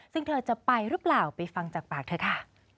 ซึ่งเธอจะไปหรือเปล่าไปฟังจากปากเธอค่ะ